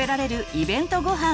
イベントごはん」。